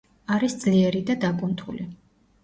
არის ძლიერი და დაკუნთული.